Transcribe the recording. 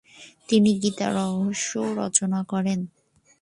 তিনি গীতা রহস্য রচনা করেন।